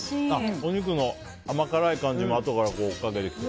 お肉の甘辛い感じも後から追っかけてきて。